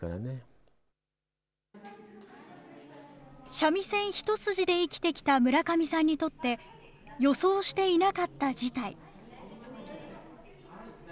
三味線一筋で生きてきた村上さんにとって、予想していなかった事態。